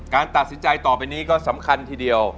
การตัดสินใจต่อไปนี้ก็สำคัญทีเดียว